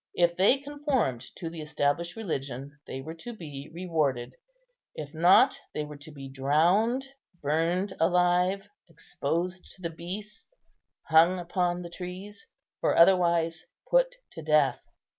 If they conformed to the established religion, they were to be rewarded; if not, they were to be drowned, burned alive, exposed to the beasts, hung upon the trees, or otherwise put to death.